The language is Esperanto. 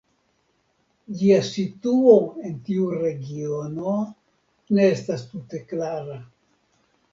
Ĝia situo en tiu regiono ne estas tute klara.